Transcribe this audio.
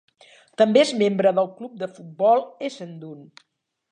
També és membre del club de futbol Essendon.